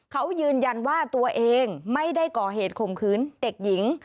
เขายืนยันว่าตัวเองไม่ได้ก่อเหตุข่มขืนเด็กหญิง